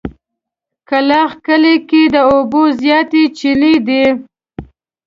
کلاخ کلي کې د اوبو زياتې چينې دي.